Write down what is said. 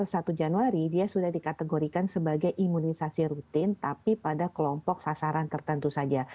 satu januari dia sudah dikategorikan sebagai imunisasi rutin tapi pada kelompok sasaran tertentu saja